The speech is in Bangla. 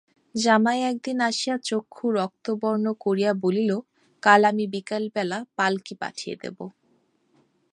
জামাই একদিন আসিয়া চক্ষু রক্তবর্ণ করিয়া বলিল, কাল আমি বিকালবেলা পালকি পাঠিয়ে দেব।